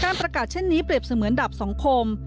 ประกาศเช่นนี้เปรียบเสมือนดับสังคม